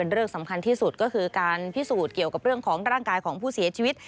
เรื่องสำคัญที่สุดก็คือการพิสูจน์เกี่ยวกับเรื่องของร่างกายของผู้เสียชีวิต